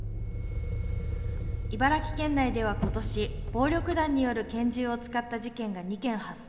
茨城県内ではことし、暴力団による拳銃を使った事件が２件発生。